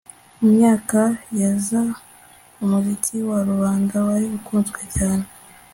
Mu myaka ya za umuziki wa rubanda wari ukunzwe cyane